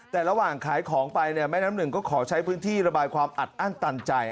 แต่ระหว่างขายของไปเนี่ยแม่น้ำหนึ่งก็ขอใช้พื้นที่ระบายความอัดอั้นตันใจ